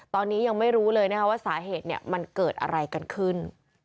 ตอนนี้ยังไม่รู้เลยนะคะว่าสาเหตุมันเกิดอะไรกันขึ้น